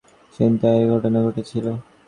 গত বছরের নভেম্বরে এই ছিনতাইয়ের ঘটনা ঘটেছিল।